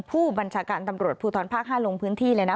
ผู้บัญชาการตำรวจภูทรภาค๕ลงพื้นที่เลยนะ